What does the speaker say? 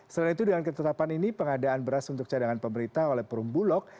selain itu dengan ketetapan ini pengadaan beras untuk cadangan pemerintah oleh perumbulok